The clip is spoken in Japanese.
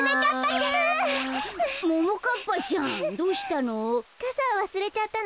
ももかっぱちゃんどうしたの？